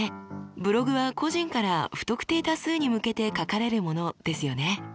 ブログは「個人から不特定多数」に向けて書かれるものですよね。